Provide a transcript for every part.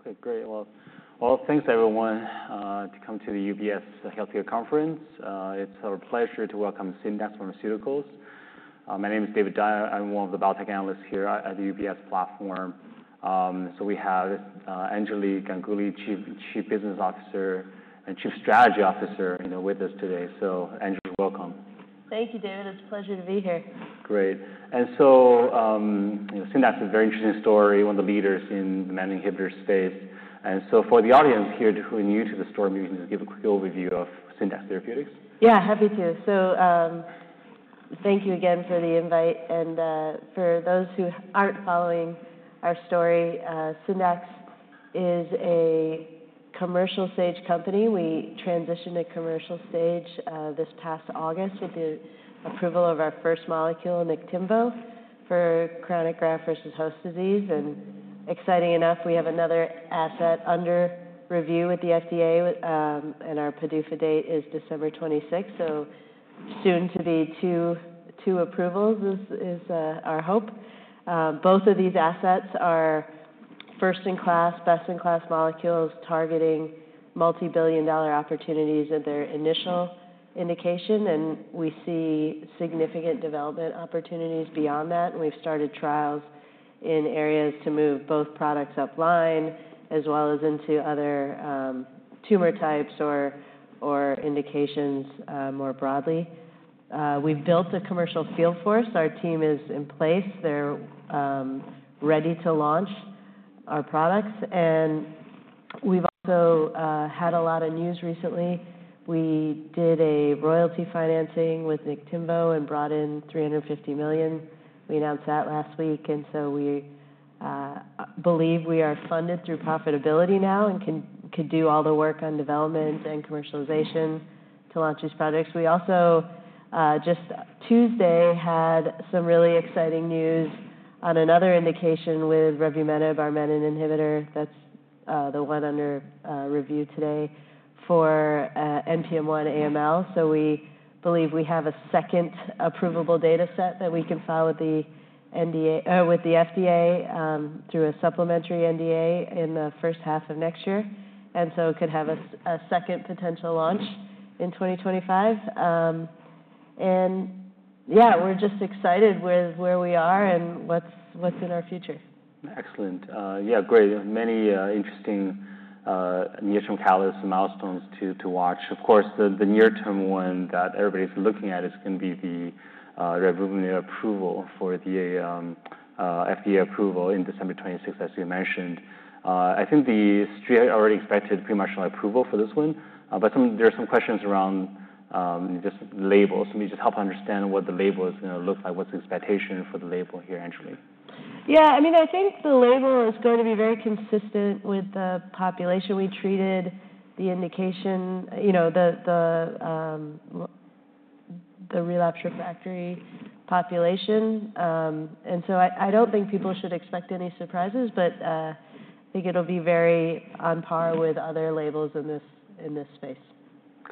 Okay, great. Well, thanks everyone to come to the UBS Healthcare Conference. It's our pleasure to welcome Syndax Pharmaceuticals. My name is David Dai. I'm one of the biotech analysts here at the UBS platform. So we have Anjali Ganguli, Chief Business Officer and Chief Strategy Officer, you know, with us today. So, Anjali, welcome. Thank you, David. It's a pleasure to be here. Great. And so, you know, Syndax is a very interesting story, one of the leaders in the menin inhibitor space. And so for the audience here who are new to the story, maybe you can just give a quick overview of Syndax Pharmaceuticals. Yeah, happy to. So, thank you again for the invite. And, for those who aren't following our story, Syndax is a commercial stage company. We transitioned to commercial stage, this past August with the approval of our first molecule, Niktimvo, for chronic graft-versus-host disease. And exciting enough, we have another asset under review with the FDA, and our PDUFA date is December 26th, so soon to be two approvals, our hope. Both of these assets are first-in-class, best-in-class molecules targeting multi-billion-dollar opportunities at their initial indication. And we see significant development opportunities beyond that. And we've started trials in areas to move both products upline as well as into other tumor types or indications, more broadly. We've built a commercial field force. Our team is in place. They're ready to launch our products. And we've also had a lot of news recently. We did a royalty financing with Niktimvo and brought in $350 million. We announced that last week. So we believe we are funded through profitability now and could do all the work on development and commercialization to launch these products. We also just Tuesday had some really exciting news on another indication with revumenib, our menin inhibitor. That's the one under review today for NPM1 AML. So we believe we have a second approvable data set that we can file with the NDA or with the FDA through a supplementary NDA in the first half of next year. So it could have a second potential launch in 2025. Yeah, we're just excited with where we are and what's in our future. Excellent. Yeah, great. Many interesting near-term catalyst milestones to watch. Of course, the near-term one that everybody's looking at is gonna be the revumenib approval, the FDA approval in December 26th, as you mentioned. I think the Street already expected pretty much an approval for this one, but there are some questions around just labels. Can you just help understand what the label is gonna look like, what's the expectation for the label here, Anjali? Yeah. I mean, I think the label is going to be very consistent with the population we treated, the indication, you know, the relapsed/refractory population. And so I don't think people should expect any surprises, but I think it'll be very on par with other labels in this space.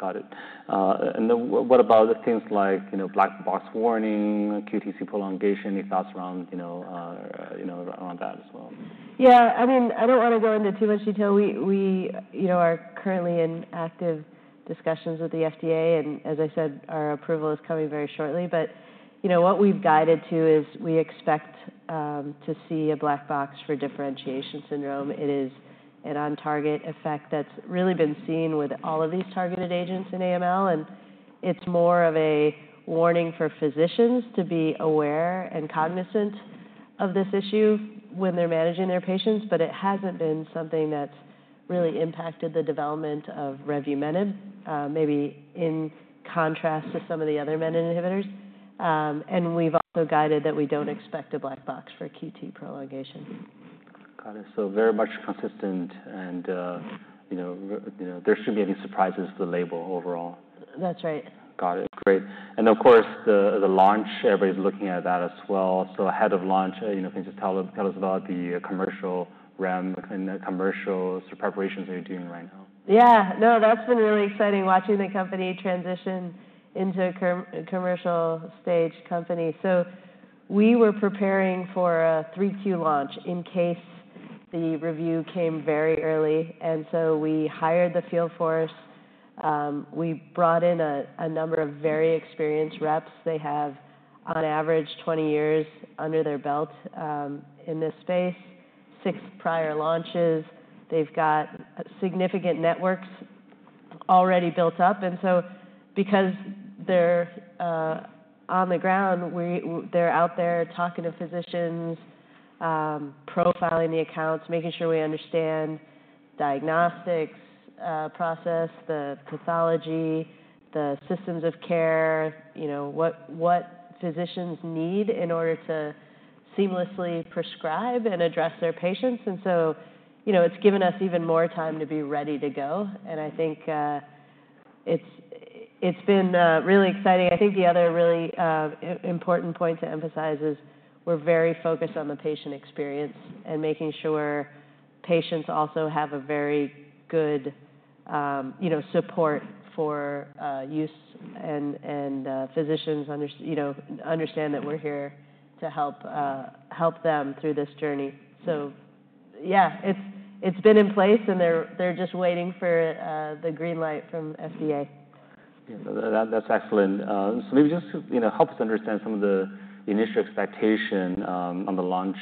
Got it. And then what about the things like, you know, black box warning, QTc prolongation, any thoughts around, you know, you know, around that as well? Yeah. I mean, I don't wanna go into too much detail. We you know are currently in active discussions with the FDA. And as I said, our approval is coming very shortly. But you know what we've guided to is we expect to see a black box for differentiation syndrome. It is an on-target effect that's really been seen with all of these targeted agents in AML. And it's more of a warning for physicians to be aware and cognizant of this issue when they're managing their patients. But it hasn't been something that's really impacted the development of revumenib, maybe in contrast to some of the other menin inhibitors. And we've also guided that we don't expect a black box for QT prolongation. Got it. So very much consistent. And, you know, there shouldn't be any surprises for the label overall. That's right. Got it. Great. And of course, the launch, everybody's looking at that as well. So ahead of launch, you know, can you just tell us about the commercial team and commercial preparations that you're doing right now? Yeah. No, that's been really exciting watching the company transition into a commercial stage company. So we were preparing for a 3Q launch in case the review came very early. And so we hired the field force. We brought in a, a number of very experienced reps. They have on average 20 years under their belt, in this space, six prior launches. They've got significant networks already built up. And so because they're, on the ground, we, they're out there talking to physicians, profiling the accounts, making sure we understand diagnostics, process, the pathology, the systems of care, you know, what, what physicians need in order to seamlessly prescribe and address their patients. And so, you know, it's given us even more time to be ready to go. And I think, it's, it's been, really exciting. I think the other really important point to emphasize is we're very focused on the patient experience and making sure patients also have a very good, you know, support for use and physicians understand, you know, that we're here to help them through this journey. So yeah, it's been in place and they're just waiting for the green light from FDA. Yeah. That, that's excellent. So maybe just, you know, help us understand some of the initial expectation, on the launch.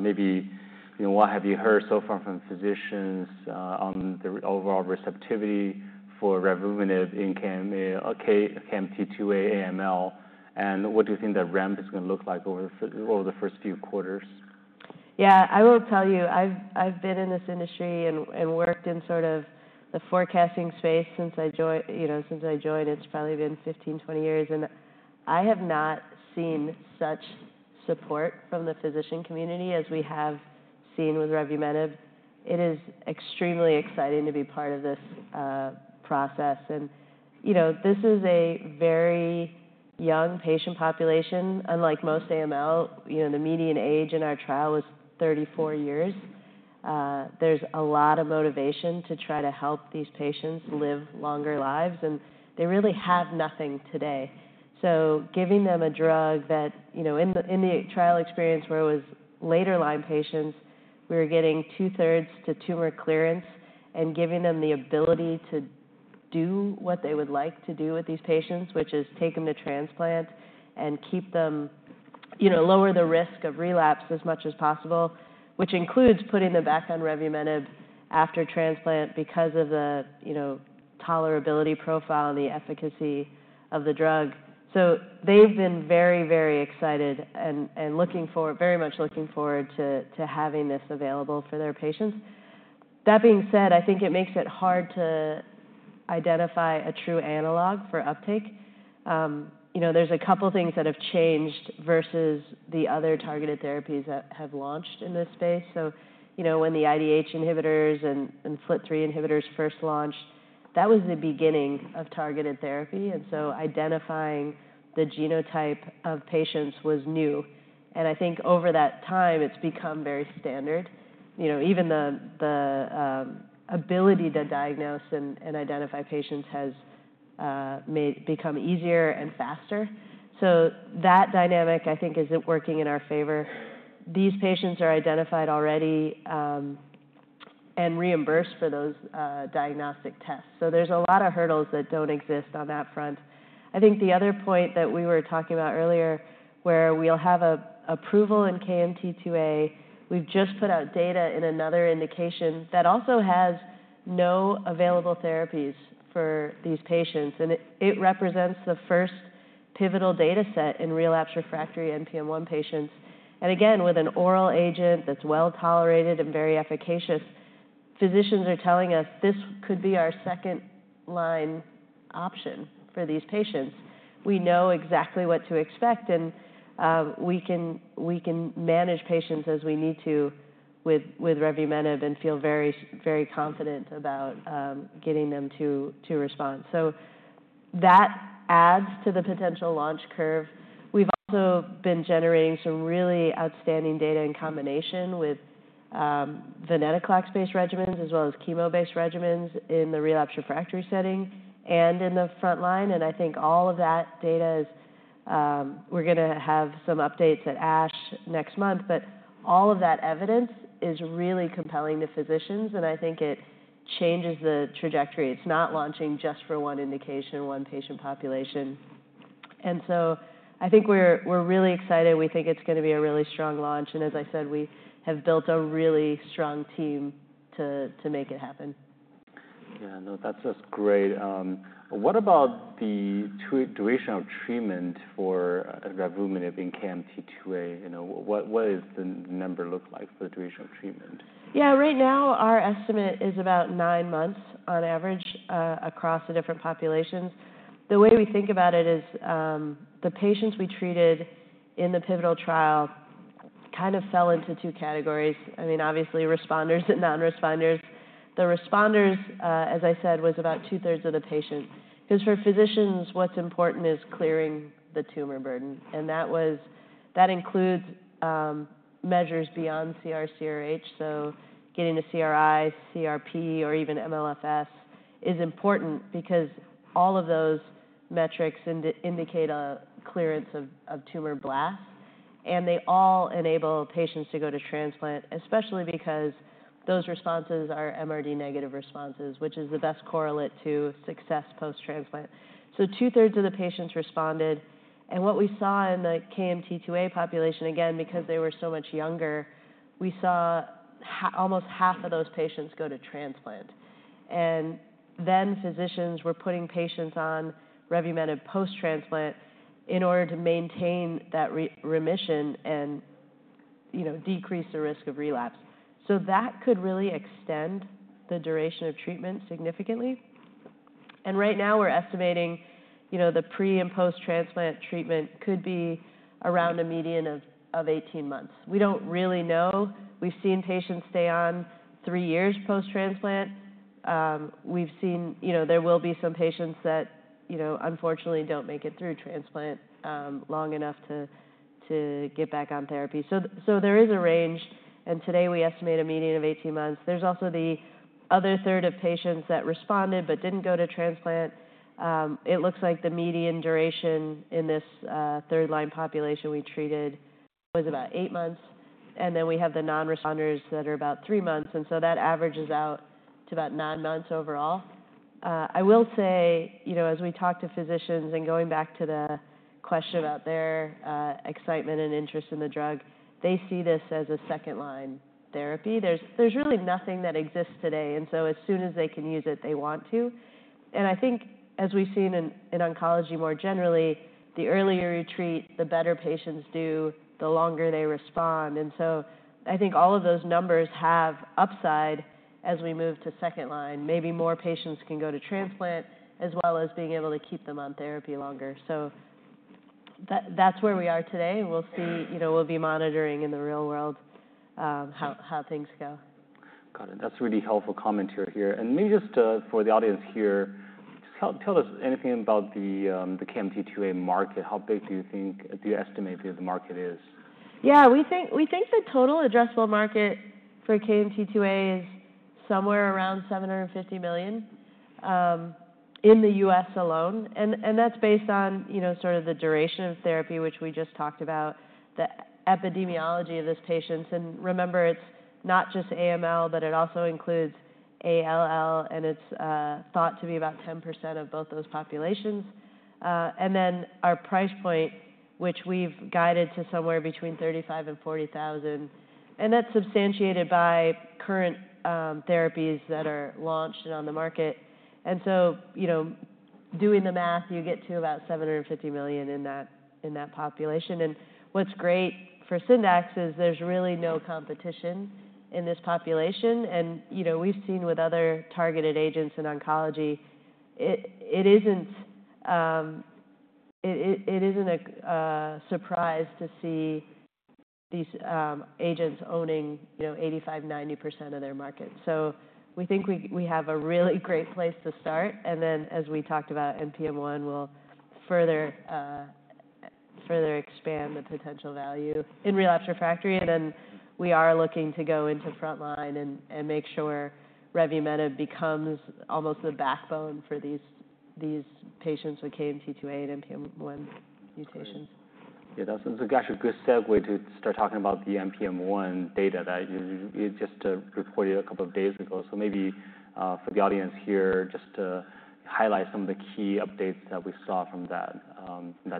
Maybe, you know, what have you heard so far from physicians, on the overall receptivity for revumenib in KMT2A AML? And what do you think that ramp is gonna look like over the first few quarters? Yeah. I will tell you, I've been in this industry and worked in sort of the forecasting space since I joined, you know, since I joined. It's probably been 15-20 years. And I have not seen such support from the physician community as we have seen with revumenib. It is extremely exciting to be part of this process. And, you know, this is a very young patient population. Unlike most AML, you know, the median age in our trial was 34 years. There's a lot of motivation to try to help these patients live longer lives. And they really have nothing today. So, giving them a drug that, you know, in the trial experience where it was later line patients, we were getting 2/3 to tumor clearance and giving them the ability to do what they would like to do with these patients, which is take them to transplant and keep them, you know, lower the risk of relapse as much as possible, which includes putting them back on revumenib after transplant because of the, you know, tolerability profile and the efficacy of the drug. So, they've been very, very excited and looking forward, very much looking forward to having this available for their patients. That being said, I think it makes it hard to identify a true analog for uptake, you know, there's a couple things that have changed versus the other targeted therapies that have launched in this space. So, you know, when the IDH inhibitors and FLT3 inhibitors first launched, that was the beginning of targeted therapy. So identifying the genotype of patients was new. And I think over that time, it's become very standard. You know, even the ability to diagnose and identify patients has become easier and faster. So that dynamic, I think, is working in our favor. These patients are identified already, and reimbursed for those diagnostic tests. So there's a lot of hurdles that don't exist on that front. I think the other point that we were talking about earlier, where we'll have an approval in KMT2A, we've just put out data in another indication that also has no available therapies for these patients. And it represents the first pivotal data set in relapsed/refractory NPM1 patients. Again, with an oral agent that's well tolerated and very efficacious, physicians are telling us this could be our second line option for these patients. We know exactly what to expect. We can manage patients as we need to with revumenib and feel very, very confident about getting them to respond. So that adds to the potential launch curve. We've also been generating some really outstanding data in combination with venetoclax-based regimens as well as chemo-based regimens in the relapsed/refractory setting and in the front line. I think all of that data is, we're gonna have some updates at ASH next month. But all of that evidence is really compelling to physicians. I think it changes the trajectory. It's not launching just for one indication, one patient population. So I think we're really excited. We think it's gonna be a really strong launch, and as I said, we have built a really strong team to make it happen. Yeah. No, that's just great. What about the duration of treatment for revumenib in KMT2A? You know, what is the number look like for the duration of treatment? Yeah. Right now, our estimate is about nine months on average, across the different populations. The way we think about it is, the patients we treated in the pivotal trial kind of fell into two categories. I mean, obviously responders and non-responders. The responders, as I said, was about 2/3 of the patient. 'Cause for physicians, what's important is clearing the tumor burden. And that was, that includes, measures beyond CR/CRh. So getting a CRi, CRp, or even MLFS is important because all of those metrics indicate a clearance of, of tumor blasts. And they all enable patients to go to transplant, especially because those responses are MRD negative responses, which is the best correlate to success post-transplant. So 2/3 of the patients responded. And what we saw in the KMT2A population, again, because they were so much younger, we saw almost half of those patients go to transplant. And then physicians were putting patients on revumenib post-transplant in order to maintain that remission and, you know, decrease the risk of relapse. So that could really extend the duration of treatment significantly. And right now we're estimating, you know, the pre and post-transplant treatment could be around a median of 18 months. We don't really know. We've seen patients stay on three years post-transplant. We've seen, you know, there will be some patients that, you know, unfortunately don't make it through transplant long enough to get back on therapy. So there is a range. And today we estimate a median of 18 months. There's also the other third of patients that responded but didn't go to transplant. It looks like the median duration in this third-line population we treated was about eight months. And then we have the non-responders that are about three months. And so that averages out to about nine months overall. I will say, you know, as we talk to physicians and going back to the question about their excitement and interest in the drug, they see this as a second-line therapy. There's really nothing that exists today. And so as soon as they can use it, they want to. And I think as we've seen in oncology more generally, the earlier you treat, the better patients do, the longer they respond. And so I think all of those numbers have upside as we move to second-line. Maybe more patients can go to transplant as well as being able to keep them on therapy longer. So that, that's where we are today. We'll see, you know, we'll be monitoring in the real world, how things go. Got it. That's really helpful commentary here, and maybe just for the audience here, just tell us anything about the KMT2A market. How big do you think, do you estimate the market is? Yeah. We think the total addressable market for KMT2A is somewhere around $750 million, in the U.S. alone. And that's based on, you know, sort of the duration of therapy, which we just talked about, the epidemiology of this patients. And remember, it's not just AML, but it also includes ALL. And it's thought to be about 10% of both those populations. And then our price point, which we've guided to somewhere between $35,000-$40,000. And that's substantiated by current therapies that are launched and on the market. And so, you know, doing the math, you get to about $750 million in that population. And what's great for Syndax is there's really no competition in this population. You know, we've seen with other targeted agents in oncology. It isn't a surprise to see these agents owning, you know, 85%-90% of their market. We think we have a really great place to start. As we talked about NPM1, we'll further expand the potential value in relapsed/refractory. We are looking to go into front line and make sure revumenib becomes almost the backbone for these patients with KMT2A and NPM1 mutations. Yeah. That's actually a good segue to start talking about the NPM1 data that you just reported a couple of days ago. So maybe, for the audience here, just to highlight some of the key updates that we saw from that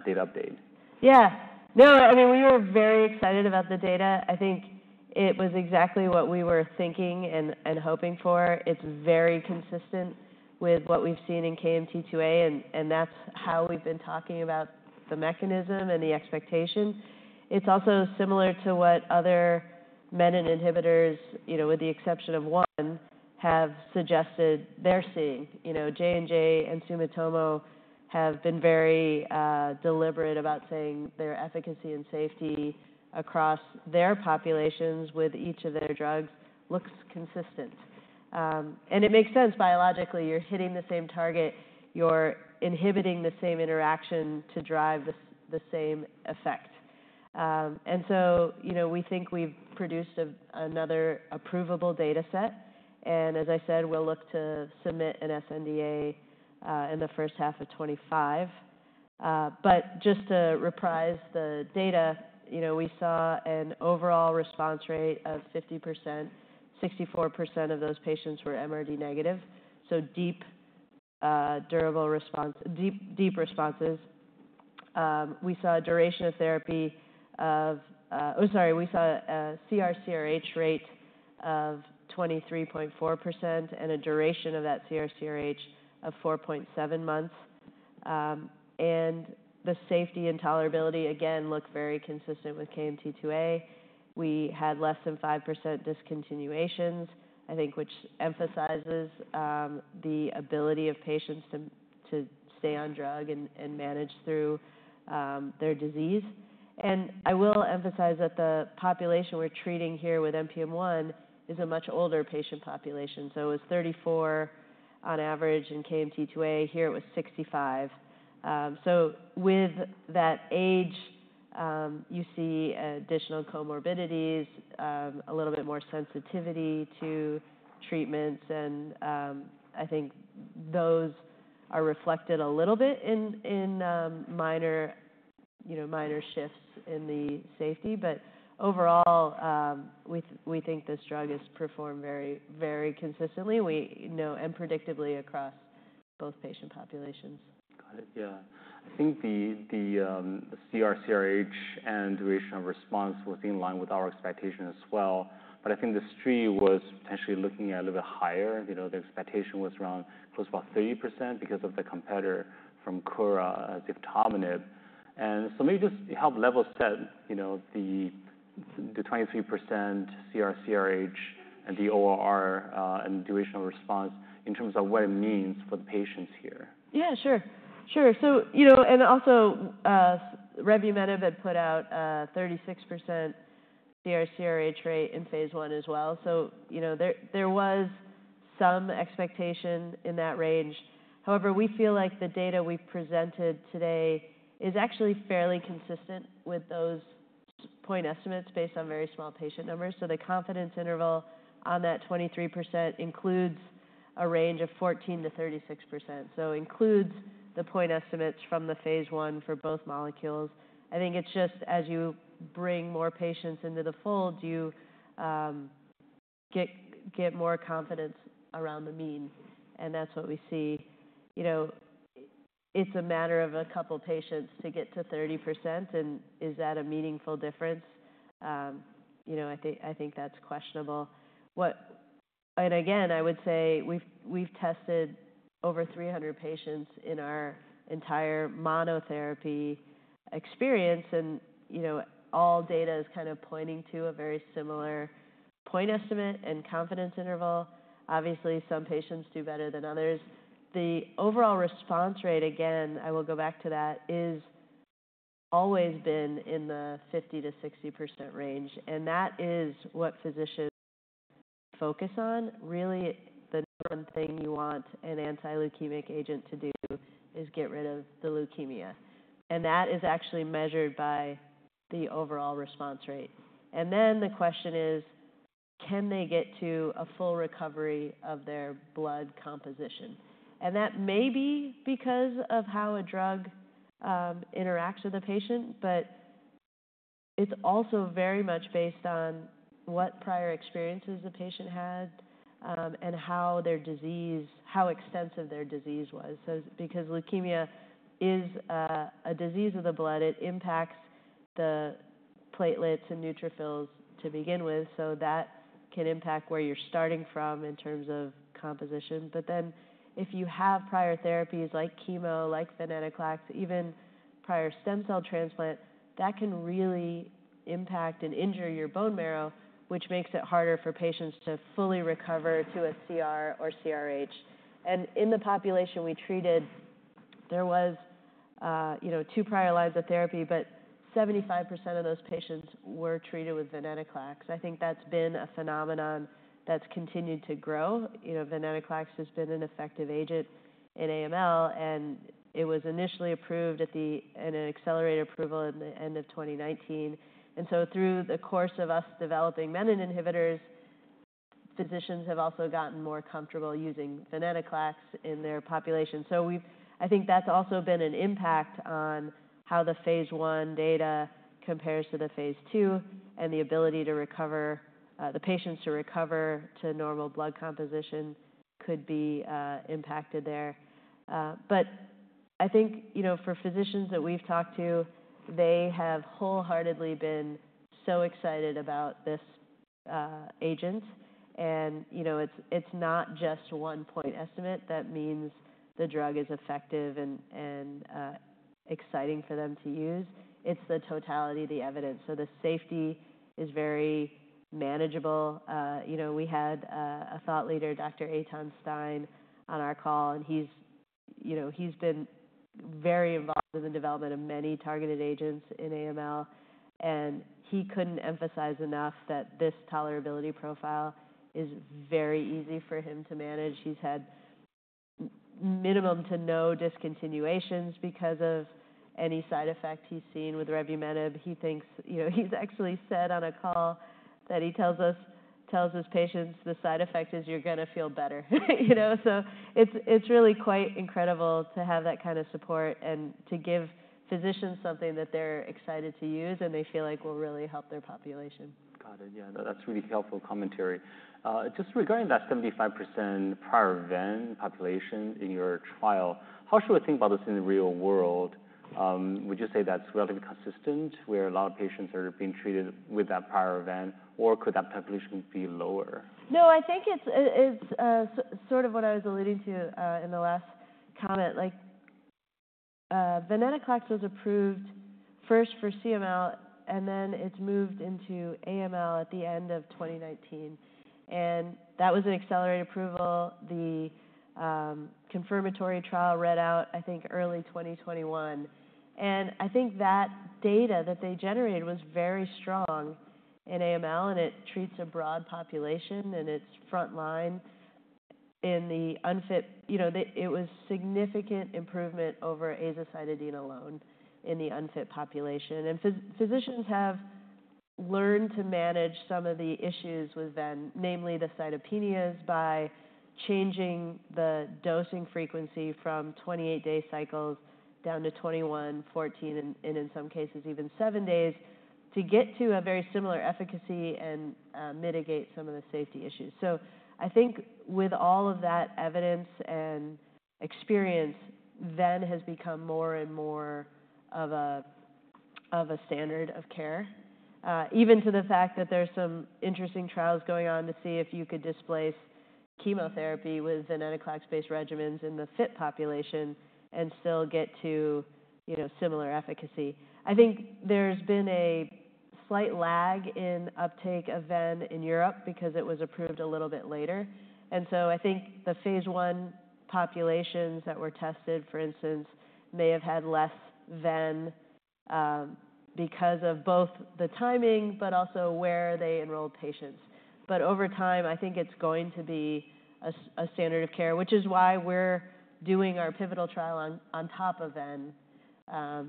data update. Yeah. No, I mean, we were very excited about the data. I think it was exactly what we were thinking and hoping for. It's very consistent with what we've seen in KMT2A. And that's how we've been talking about the mechanism and the expectation. It's also similar to what other menin inhibitors, you know, with the exception of one, have suggested they're seeing. You know, J&J and Sumitomo have been very deliberate about saying their efficacy and safety across their populations with each of their drugs looks consistent, and it makes sense biologically. You're hitting the same target. You're inhibiting the same interaction to drive the same effect, and so, you know, we think we've produced another approvable data set. And as I said, we'll look to submit an sNDA in the first half of 2025. But just to reprise the data, you know, we saw an overall response rate of 50%. 64% of those patients were MRD negative, so deep, durable response, deep, deep responses. We saw a duration of therapy of, oh, sorry, we saw a CR/CRh rate of 23.4% and a duration of that CR/CRh of 4.7 months, and the safety and tolerability again look very consistent with KMT2A. We had less than 5% discontinuations, I think, which emphasizes the ability of patients to stay on drug and manage through their disease. I will emphasize that the population we're treating here with NPM1 is a much older patient population. It was 34 on average in KMT2A. Here it was 65, so with that age, you see additional comorbidities, a little bit more sensitivity to treatments. I think those are reflected a little bit in minor, you know, minor shifts in the safety, but overall, we think this drug has performed very, very consistently. We know predictably across both patient populations. Got it. Yeah. I think the CR/CRh and duration of response was in line with our expectation as well. But I think the Street was potentially looking at a little bit higher. You know, the expectation was around close to about 30% because of the competitor from Kura, ziftomenib. And so maybe just help level set, you know, the 23% CR/CRh and the ORR, and duration of response in terms of what it means for the patients here. Yeah. Sure. So, you know, and also, revumenib had put out a 36% CR/CRh rate in phase I as well. So, you know, there was some expectation in that range. However, we feel like the data we presented today is actually fairly consistent with those point estimates based on very small patient numbers. So the confidence interval on that 23% includes a range of 14%-36%. So includes the point estimates from the phase I for both molecules. I think it's just as you bring more patients into the fold, you get more confidence around the mean. And that's what we see. You know, it's a matter of a couple of patients to get to 30%. And is that a meaningful difference? You know, I think that's questionable. What, and again, I would say we've tested over 300 patients in our entire monotherapy experience. And, you know, all data is kind of pointing to a very similar point estimate and confidence interval. Obviously, some patients do better than others. The overall response rate, again, I will go back to that, is always been in the 50%-60% range. And that is what physicians focus on. Really, the number one thing you want an anti-leukemic agent to do is get rid of the leukemia. And that is actually measured by the overall response rate. And then the question is, can they get to a full recovery of their blood composition? And that may be because of how a drug interacts with the patient. But it's also very much based on what prior experiences the patient had, and how their disease, how extensive their disease was. Because leukemia is a disease of the blood, it impacts the platelets and neutrophils to begin with. So that can impact where you're starting from in terms of composition. But then if you have prior therapies like chemo, like venetoclax, even prior stem cell transplant, that can really impact and injure your bone marrow, which makes it harder for patients to fully recover to a CR or CRh. And in the population we treated, there was, you know, two prior lines of therapy, but 75% of those patients were treated with venetoclax. I think that's been a phenomenon that's continued to grow. You know, venetoclax has been an effective agent in AML. And it was initially approved at the, and an accelerated approval in the end of 2019. Through the course of us developing menin inhibitors, physicians have also gotten more comfortable using venetoclax in their population. So we've, I think that's also been an impact on how the phase I data compares to the phase II and the ability to recover, the patients to recover to normal blood composition could be impacted there. But I think, you know, for physicians that we've talked to, they have wholeheartedly been so excited about this agent. And, you know, it's, it's not just one point estimate that means the drug is effective and, and, exciting for them to use. It's the totality, the evidence. So the safety is very manageable. You know, we had a thought leader, Dr. Eytan Stein, on our call. And he's, you know, he's been very involved in the development of many targeted agents in AML. He couldn't emphasize enough that this tolerability profile is very easy for him to manage. He's had minimum to no discontinuations because of any side effect he's seen with revumenib. He thinks, you know, he's actually said on a call that he tells us, tells his patients, the side effect is you're gonna feel better. You know, so it's really quite incredible to have that kind of support and to give physicians something that they're excited to use and they feel like will really help their population. Got it. Yeah. No, that's really helpful commentary. Just regarding that 75% prior venetoclax population in your trial, how should we think about this in the real world? Would you say that's relatively consistent where a lot of patients are being treated with that prior event, or could that population be lower? No, I think it's sort of what I was alluding to in the last comment. Like, venetoclax was approved first for CLL, and then it's moved into AML at the end of 2019. That was an accelerated approval. The confirmatory trial read out, I think, early 2021. I think that data that they generated was very strong in AML, and it treats a broad population and it's front line in the unfit, you know, it was significant improvement over azacitidine alone in the unfit population. Physicians have learned to manage some of the issues with venetoclax, namely the cytopenias by changing the dosing frequency from 28-day cycles down to 21, 14, and in some cases even seven days to get to a very similar efficacy and mitigate some of the safety issues. I think with all of that evidence and experience, venetoclax has become more and more of a standard of care, even to the fact that there's some interesting trials going on to see if you could displace chemotherapy with venetoclax-based regimens in the fit population and still get to, you know, similar efficacy. I think there's been a slight lag in uptake of venetoclax in Europe because it was approved a little bit later. And so I think the phase I populations that were tested, for instance, may have had less venetoclax, because of both the timing, but also where they enrolled patients. But over time, I think it's going to be a standard of care, which is why we're doing our pivotal trial on top of venetoclax.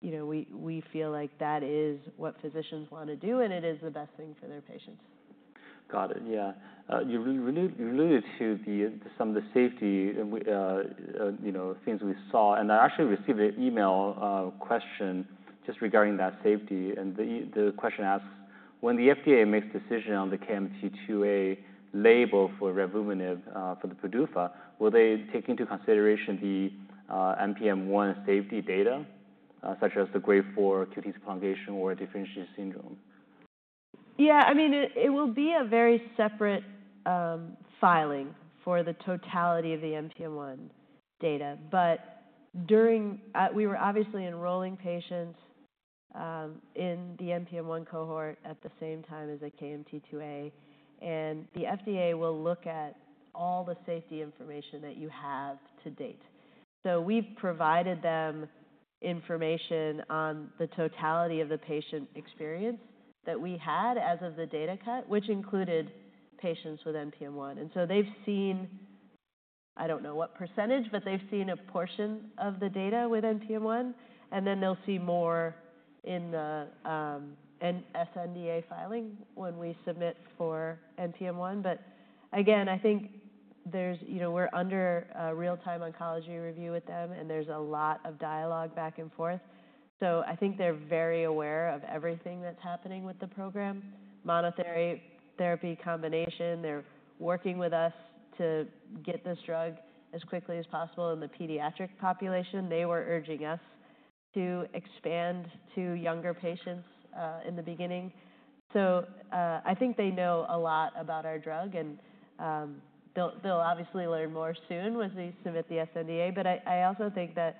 You know, we feel like that is what physicians wanna do, and it is the best thing for their patients. Got it. Yeah. You alluded to the some of the safety, you know, things we saw. And I actually received an email question just regarding that safety. And the question asks, when the FDA makes decision on the KMT2A label for revumenib, for the PDUFA, will they take into consideration the NPM1 safety data, such as the grade 4 QTc prolongation or differentiation syndrome? Yeah. I mean, it will be a very separate filing for the totality of the NPM1 data. But during, we were obviously enrolling patients in the NPM1 cohort at the same time as the KMT2A. And the FDA will look at all the safety information that you have to date. So we've provided them information on the totality of the patient experience that we had as of the data cut, which included patients with NPM1. And so they've seen, I don't know what percentage, but they've seen a portion of the data with NPM1. And then they'll see more in the sNDA filing when we submit for NPM1. But again, I think there's, you know, we're under a Real-Time Oncology Review with them, and there's a lot of dialogue back and forth. So I think they're very aware of everything that's happening with the program, monotherapy combination. They're working with us to get this drug as quickly as possible, and the pediatric population, they were urging us to expand to younger patients, in the beginning, so I think they know a lot about our drug, and they'll obviously learn more soon once they submit the sNDA, but I also think that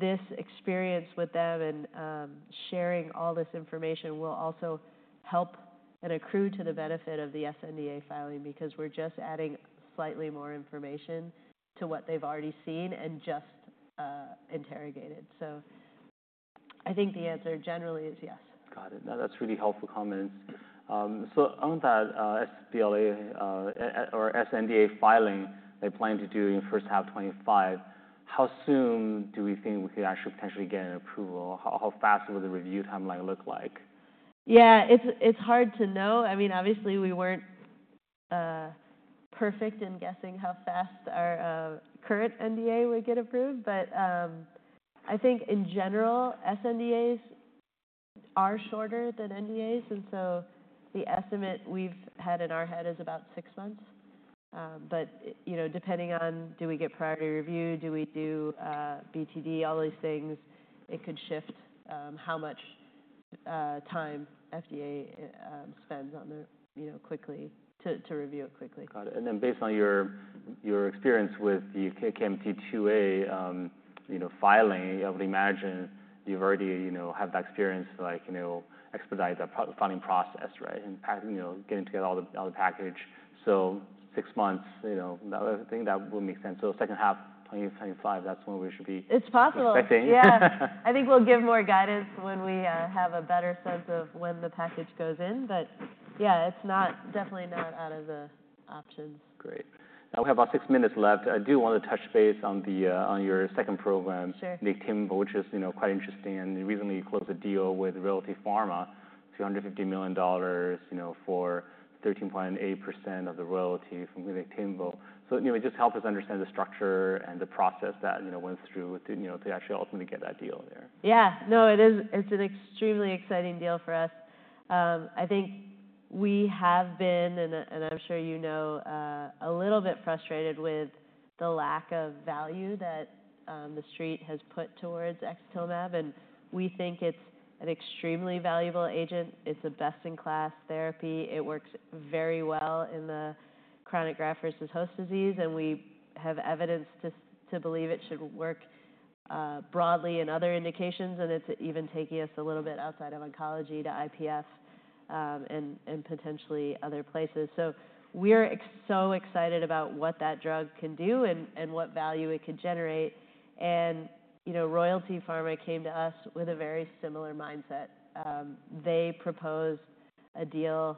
this experience with them and sharing all this information will also help and accrue to the benefit of the sNDA filing because we're just adding slightly more information to what they've already seen and just interrogated, so I think the answer generally is yes. Got it. No, that's really helpful comments. So on that, sNDA filing they plan to do in first half 2025, how soon do we think we could actually potentially get an approval? How fast would the review timeline look like? Yeah. It's hard to know. I mean, obviously we weren't perfect in guessing how fast our current NDA would get approved. But I think in general, sNDAs are shorter than NDAs. And so the estimate we've had in our head is about six months. But you know, depending on do we get priority review, do we do BTD, all these things, it could shift how much time FDA spends on the you know to review it quickly. Got it. And then based on your experience with the KMT2A, you know, filing, I would imagine you've already, you know, have that experience to, like, you know, expedite that filing process, right? And, you know, getting together all the package. So six months, you know, that, I think that will make sense. So second half 2025, that's when we should be. It's possible. Expecting. Yeah. I think we'll give more guidance when we have a better sense of when the package goes in. But yeah, it's not, definitely not, out of the options. Great. Now we have about six minutes left. I do wanna touch base on your second program. Sure. Niktimvo, which is, you know, quite interesting. And recently you closed a deal with Royalty Pharma, $350 million, you know, for 13.8% of the royalty from Niktimvo. So, you know, just help us understand the structure and the process that, you know, went through to, you know, to actually ultimately get that deal there. Yeah. No, it is. It's an extremely exciting deal for us. I think we have been, and I'm sure you know, a little bit frustrated with the lack of value that the Street has put towards axatilimab. And we think it's an extremely valuable agent. It's a best-in-class therapy. It works very well in chronic graft-versus-host disease. And we have evidence to believe it should work broadly in other indications. And it's even taking us a little bit outside of oncology to IPF and potentially other places. So we are so excited about what that drug can do and what value it could generate. And, you know, Royalty Pharma came to us with a very similar mindset. They proposed a deal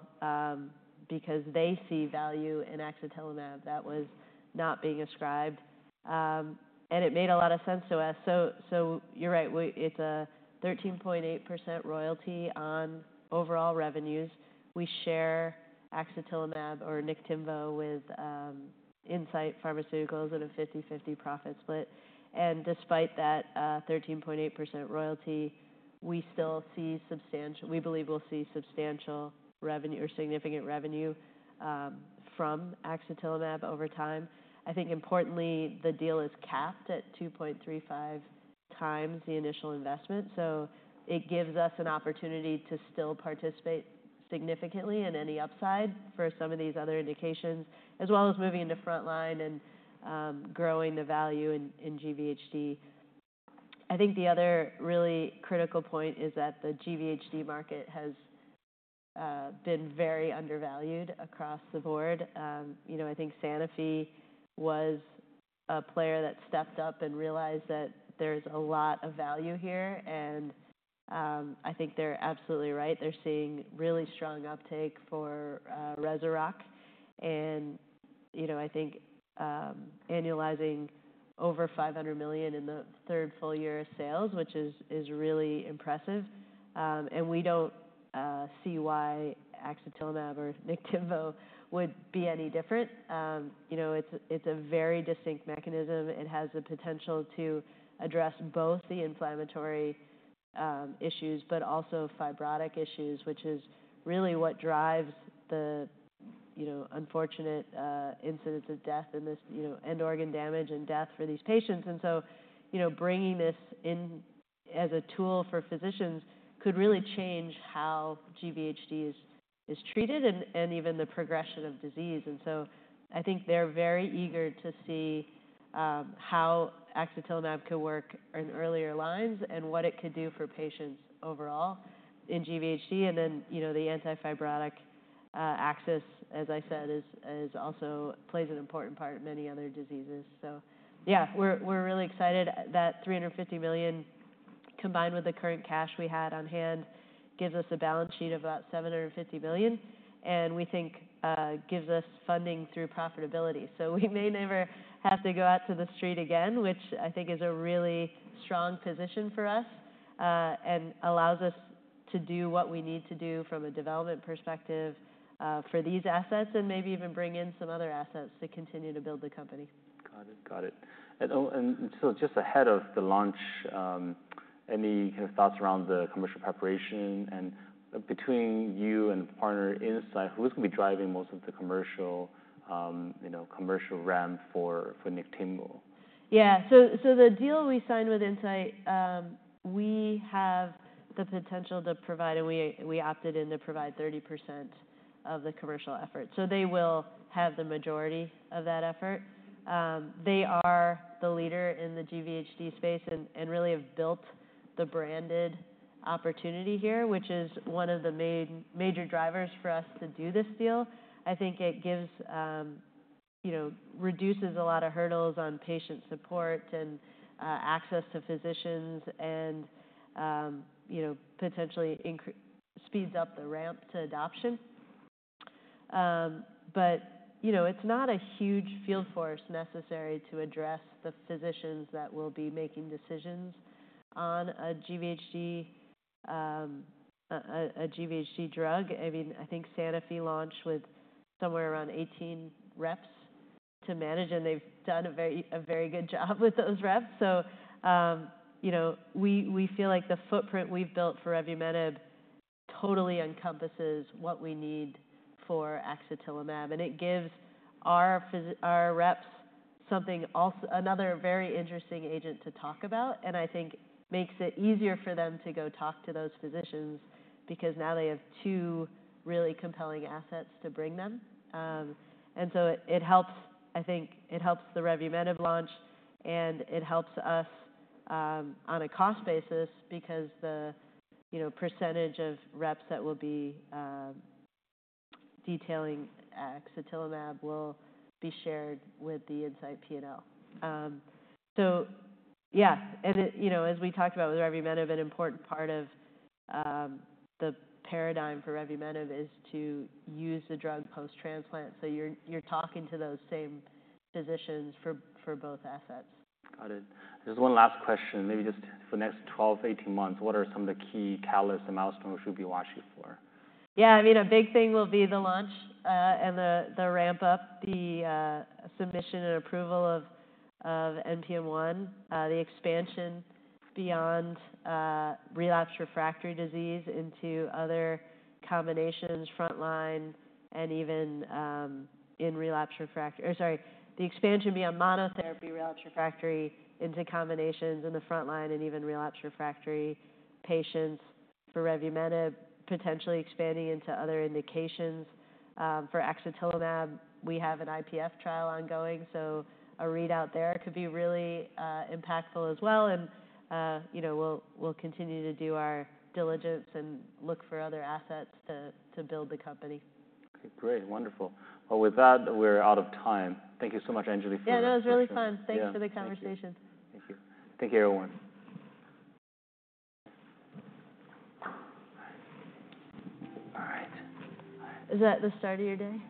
because they see value in axatilimab that was not being ascribed. And it made a lot of sense to us. So, so you're right. We, it's a 13.8% royalty on overall revenues. We share axatilimab or Niktimvo with Incyte in a 50/50 profit split. And despite that 13.8% royalty, we still see substantial, we believe we'll see substantial revenue or significant revenue from axatilimab over time. I think importantly, the deal is capped at 2.35x the initial investment. So it gives us an opportunity to still participate significantly in any upside for some of these other indications, as well as moving into front line and growing the value in GvHD. I think the other really critical point is that the GvHD market has been very undervalued across the board. You know, I think Sanofi was a player that stepped up and realized that there's a lot of value here. And I think they're absolutely right. They're seeing really strong uptake for REZUROCK. You know, I think annualizing over $500 million in the third full year of sales, which is really impressive. We don't see why axatilimab or Niktimvo would be any different. You know, it's a very distinct mechanism. It has the potential to address both the inflammatory issues, but also fibrotic issues, which is really what drives the unfortunate incidents of death and this end organ damage and death for these patients. You know, bringing this in as a tool for physicians could really change how GvHD is treated and even the progression of disease. So I think they're very eager to see how axatilimab could work in earlier lines and what it could do for patients overall in GvHD. And then, you know, the antifibrotic axis, as I said, is also plays an important part in many other diseases. So yeah, we're really excited that $350 million combined with the current cash we had on hand gives us a balance sheet of about $750 million. And we think, gives us funding through profitability. So we may never have to go out to the Street again, which I think is a really strong position for us, and allows us to do what we need to do from a development perspective, for these assets and maybe even bring in some other assets to continue to build the company. Got it. And so just ahead of the launch, any kind of thoughts around the commercial preparation and between you and partner Incyte, who's gonna be driving most of the commercial, you know, commercial team for Niktimvo? Yeah. So the deal we signed with Incyte, we have the potential to provide, and we opted in to provide 30% of the commercial effort. So they will have the majority of that effort. They are the leader in the GvHD space and really have built the branded opportunity here, which is one of the main, major drivers for us to do this deal. I think it gives, you know, reduces a lot of hurdles on patient support and access to physicians and, you know, potentially speeds up the ramp to adoption. But you know, it's not a huge field force necessary to address the physicians that will be making decisions on a GvHD, a GvHD drug. I mean, I think Sanofi launched with somewhere around 18 reps to manage, and they've done a very good job with those reps. So, you know, we feel like the footprint we've built for revumenib totally encompasses what we need for axatilimab. And it gives our physicians, our reps something also, another very interesting agent to talk about. And I think makes it easier for them to go talk to those physicians because now they have two really compelling assets to bring them. And so it helps. I think it helps the revumenib launch and it helps us on a cost basis because, you know, the percentage of reps that will be detailing axatilimab will be shared with the Incyte P&L. So yeah. And it, you know, as we talked about with revumenib, an important part of the paradigm for revumenib is to use the drug post-transplant. So you're talking to those same physicians for both assets. Got it. Just one last question, maybe just for the next 12-18 months, what are some of the key catalysts and milestones we should be watching for? Yeah. I mean, a big thing will be the launch, and the ramp up, the submission and approval of NPM1, the expansion beyond relapsed/refractory disease into other combinations, front line, and even in relapsed/refractory, or sorry, the expansion beyond monotherapy relapsed/refractory into combinations in the front line and even relapsed/refractory patients for revumenib, potentially expanding into other indications. For axatilimab, we have an IPF trial ongoing. So a readout there could be really impactful as well. And, you know, we'll continue to do our diligence and look for other assets to build the company. Okay. Great. Wonderful. Well, with that, we're out of time. Thank you so much, Anjali, for. Yeah. That was really fun. Thanks for the conversation. Thank you. Thank you, everyone. All right. Is that the start of your day?